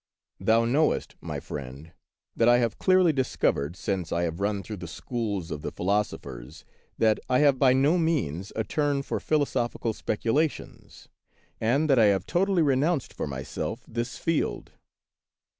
Thou knowest, my friend, that I have clearly discovered, since I have run through the schools of Peter SchlemihL 85 of the philosophers, that I have by no means a turn for philosophical speculations, and that I have totally renounced for myself this field.